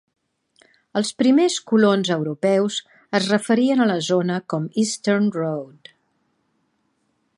Els primers colons europeus es referien a la zona com Eastern Road.